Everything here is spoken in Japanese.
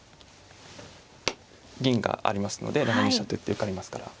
銀がありますので７二飛車と行って受かりますから。